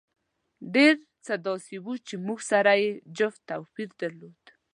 ډېر څه داسې وو چې موږ سره یې جوت توپیر درلود.